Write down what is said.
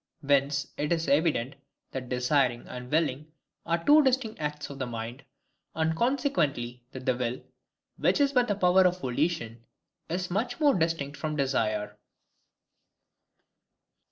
Whence it is evident that desiring and willing are two distinct acts of the mind; and consequently, that the will, which is but the power of volition, is much more distinct from desire.